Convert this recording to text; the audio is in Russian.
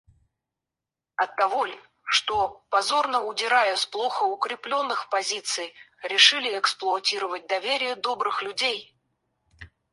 Оттого ль, что, позорно удирая с плохо укреплённых позиций, решили эксплуатировать доверие добрых людей?